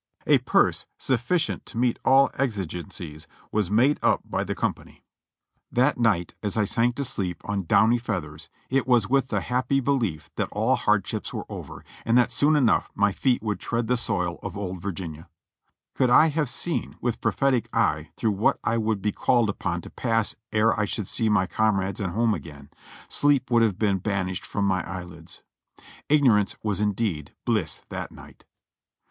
A purse sufficient to meet all exigencies was made up by the company. 3^ 466 JOHNNY REB AND BILLY YANK That night as I sank to sleep on "downy feathers" it was with a happy belief that all hardships were over, and that soon enough my feet would tread the soil of Old Virginia. Could I have seen with prophetic eye through what I would be called upon to pass ere I should see comrades and home again, sleep would have been banished from my eyelids. Ignorance was indeed bliss that night.